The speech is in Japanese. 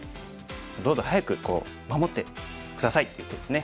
どうぞ早く守って下さいっていう手ですね。